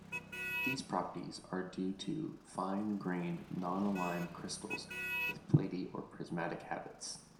These properties are due to fine grained non-aligned crystals with platy or prismatic habits.